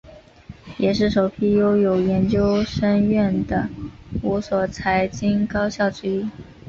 也是首批拥有研究生院的五所财经高校之一。